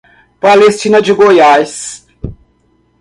Palestina de Goiás